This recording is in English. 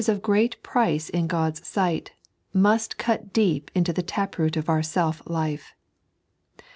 183 of great price in God's sight, must cut deep into the tap root of onr self life.